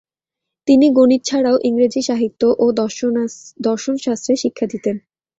তিনি গণিত ছাড়াও ইংরেজি সাহিত্য ও দর্শনশাস্ত্রে শিক্ষা দিতেন।